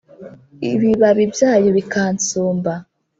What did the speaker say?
Ibibabi byayo bikansumba.